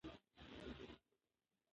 هغه ترې وپوښتل چې ایا ته ویده یې؟